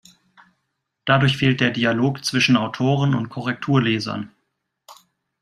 Dadurch fehlt der Dialog zwischen Autoren und Korrekturlesern.